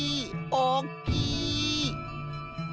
おっきい！